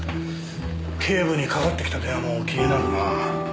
警部にかかってきた電話も気になるな。